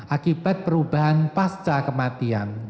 akibat perubahan pasca kematian